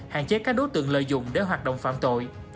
hạn chế các đối tượng lợi dụng để hoạt động phạm tội